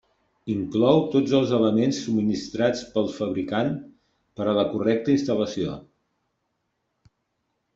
Inclou tots els elements subministrats pel fabricant per a la correcta instal·lació.